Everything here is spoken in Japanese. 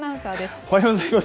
おはようございます。